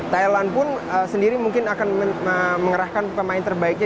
thailand pun sendiri mungkin akan mengerahkan pemain terbaiknya